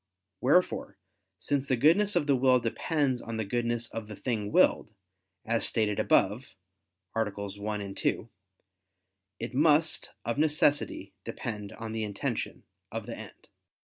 Wherefore, since the goodness of the will depends on the goodness of the thing willed, as stated above (AA. 1, 2), it must, of necessity, depend on the intention of the end.